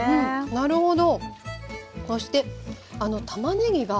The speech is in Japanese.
なるほど。